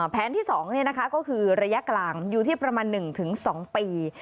แผนที่๒ก็คือระยะกลางอยู่ที่ประมาณ๑๒ปี